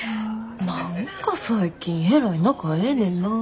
何か最近えらい仲ええねんな。